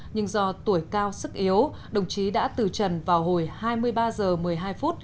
nhưng do tuổi cao sức yếu đồng chí đã từ trần vào hồi hai mươi ba h ba mươi